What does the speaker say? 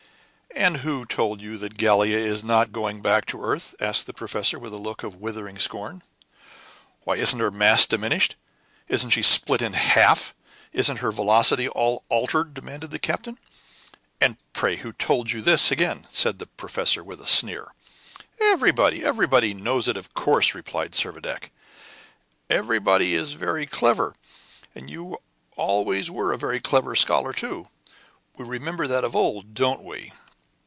"And who told you that Gallia is not going back to the earth?" asked the professor, with a look of withering scorn. "Why, isn't her mass diminished? Isn't she split in half? Isn't her velocity all altered?" demanded the captain. "And pray who told you this?" again said the professor, with a sneer. "Everybody. Everybody knows it, of course," replied Servadac. "Everybody is very clever. And you always were a very clever scholar too. We remember that of old, don't we?"